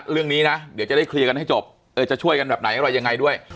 เรื่องนี้นะเดี๋ยวจะได้เคลียร์กันให้จบเออจะช่วยกันแบบไหนอะไรยังไงด้วย